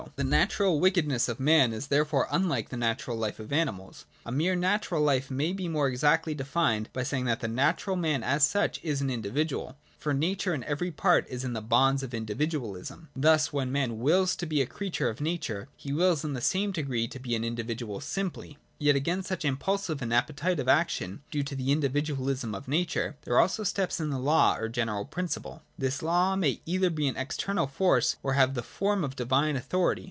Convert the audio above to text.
The natural wickedness of man is therefore unlike the natural life of animals. A mere natural hfe may be more exactly de fined by saying that the natural man as such is an individual : for nature in every part is in the bonds of individualism. Thus when man wills to be a creature of nature, he wills in the same degree to be an individual simply. Yet against such impulsive and appetitive action, due to the individualism of nature, there also steps in the law or general principle. This law may either be an external force, or have the form of divine authority.